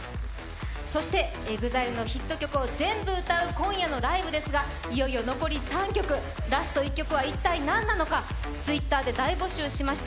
そしてＥＸＩＬＥのヒット曲を全部歌う今夜のライブですがいよいよ残り３曲ラスト１曲は一体何なのかＴｗｉｔｔｅｒで大募集しました